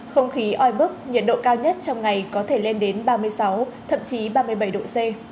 không khí oi bức nhiệt độ cao nhất trong ngày có thể lên đến ba mươi sáu thậm chí ba mươi bảy độ c